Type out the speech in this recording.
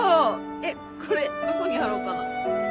えっこれどこに貼ろうかな。